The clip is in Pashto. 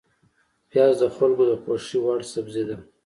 پیاز د خلکو د خوښې وړ سبزی ده